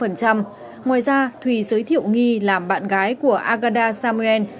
ngoài ra thùy giới thiệu nghi làm bạn gái của agada samuel